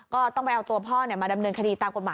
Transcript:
ก็ต้องเอาตัวพ่อมาดำเนินคดีกตม